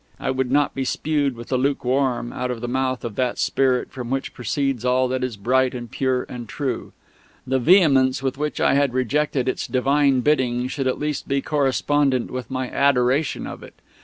I would not be spewed with the lukewarm out of the mouth of that Spirit from which proceeds all that is bright and pure and true. The vehemence with which I had rejected its divine bidding should at least be correspondent with my adoration of it.